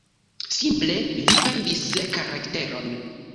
Simple vi perdis karakteron.“